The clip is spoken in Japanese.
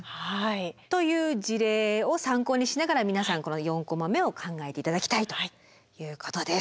という事例を参考にしながら皆さんこの４コマ目を考えて頂きたいということです。